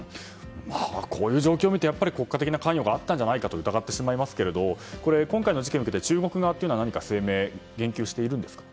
こういう状況を見て国家的な関与がやっぱりあったんじゃないかと疑ってしまいますけれども今回の事件を受けて中国側は何か声明や言及しているんですか？